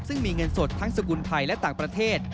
ซึ่งมีเงินสดทั้งสกุลไทยและต่างประเทศ